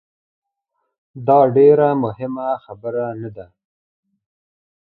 داډیره مهمه خبره نه ده